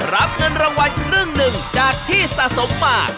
รับเงินรางวัลครึ่งหนึ่งจากที่สะสมมา